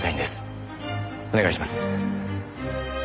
お願いします。